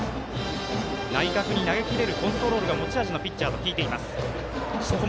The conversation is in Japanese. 内角に投げきれるコントロールが持ち味のピッチャーと聞いています。